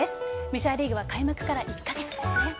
メジャーリーグは開幕から１カ月ですね。